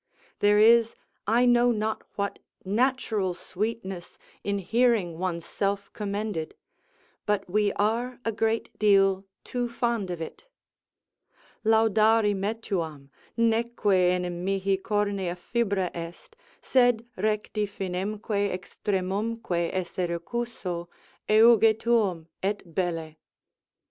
There is I know not what natural sweetness in hearing one's self commended; but we are a great deal too fond of it: "Laudari metuam, neque enim mihi cornea fibra est Sed recti finemque extremumque esse recuso Euge tuum, et belle."